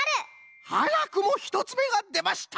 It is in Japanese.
はやくも１つめがでました！